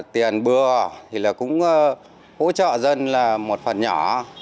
tiền bừa thì cũng hỗ trợ dân là một phần nhỏ